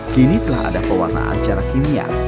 kini telah ada pewarnaan secara kimia